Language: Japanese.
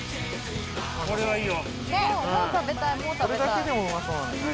これはいいよ。